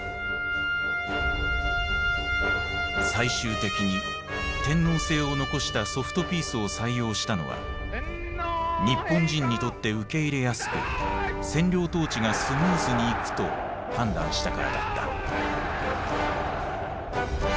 最終的に天皇制を残した「ソフトピース」を採用したのは日本人にとって受け入れやすく占領統治がスムーズにいくと判断したからだった。